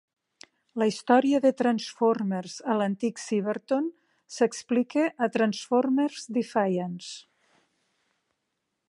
La història de Transformers a l"antic Cybertron s"explica a "Transformers: Defiance".